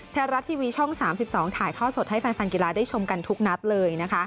ไทยรัฐทีวีช่อง๓๒ถ่ายท่อสดให้แฟนกีฬาได้ชมกันทุกนัดเลยนะคะ